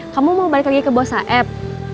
kamu mau balik lagi ke bos saeb